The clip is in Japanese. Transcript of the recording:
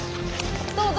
どう？